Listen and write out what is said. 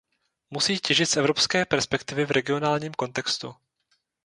Musí těžit z evropské perspektivy v regionálním kontextu.